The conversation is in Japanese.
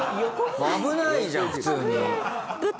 危ないじゃん普通に。